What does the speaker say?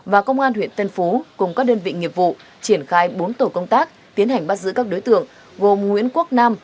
và công an huyện tân phú cùng các đơn vị nghiệp vụ triển khai bốn tổ công tác tiến hành bắt giữ các đối tượng gồm nguyễn quốc nam